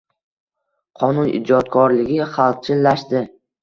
Qonun ijodkorligi xalqchillashdi.